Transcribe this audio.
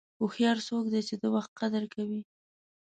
هوښیار څوک دی چې د وخت قدر کوي.